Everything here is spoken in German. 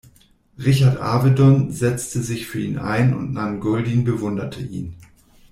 Richard Avedon setzte sich für ihn ein und Nan Goldin bewunderte ihn.